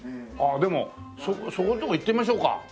でもそこのとこ行ってみましょうか。